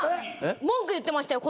文句言ってましたよ